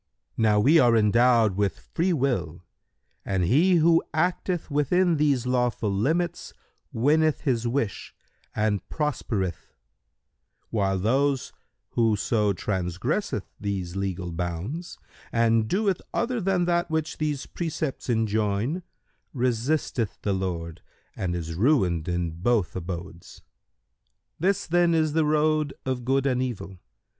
Now we are endowed with Freewill and he who acteth within these lawful limits winneth his wish and prospereth, while whoso transgresseth these legal bounds and doeth other than that which these precepts enjoin, resisteth the Lord and is ruined in both Abodes. This then is the road of Good and Evil.